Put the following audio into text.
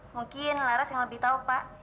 mungkin laras yang lebih tahu pak